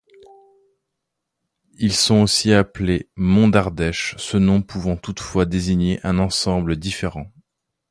Ils sont aussi appelés monts d'Ardèche, ce nom pouvant toutefois désigner un ensemble différent.